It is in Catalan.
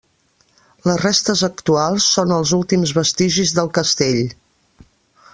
Les restes actuals són els últims vestigis del castell.